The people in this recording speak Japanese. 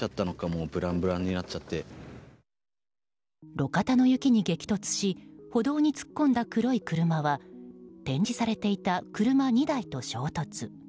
路肩の雪に激突し歩道に突っ込んだ黒い車は展示されていた車２台と衝突。